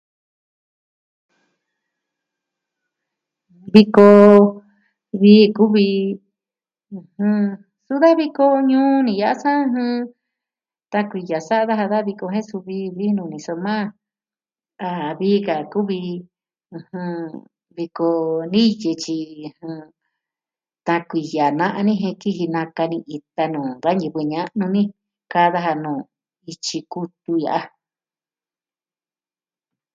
Viko vii kuvi, suva viko ñuu ni yasɨɨ jɨ, tan kuiya sa'a daja daa viko jen suu vi , vii ninu soma, a vii ka kuvi viko niyɨ, tyi tan kuiya na'a ni jen kiji nakani ita nuu da ñivɨ ña'nu ni. Ka'an daja nuu ityi kutu ya'a.